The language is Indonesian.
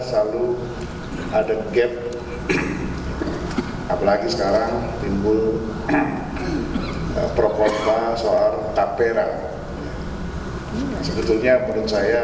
selalu ada gap apalagi sekarang timbul pro kontra soal